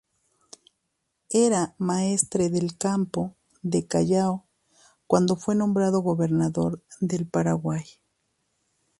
Era maestre del campo de Callao cuando fue nombrado gobernador del Paraguay.